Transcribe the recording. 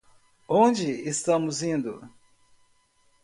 Onde estamos indo?